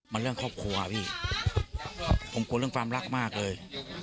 มันเรื่องครอบครัวพี่ผมกลัวเรื่องความรักมากเลย